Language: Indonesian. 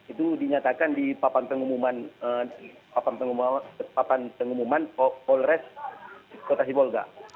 itu dinyatakan di papan pengumuman polres kota sibolga